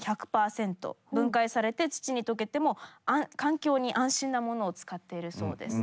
分解されて土に溶けても環境に安心なものを使っているそうです。